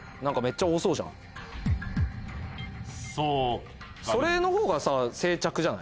そう。